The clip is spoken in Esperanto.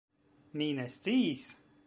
Mi ne sciis!